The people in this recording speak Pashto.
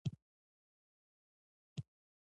همداسې وشول دواړه شل دقیقې وروسته راغلل.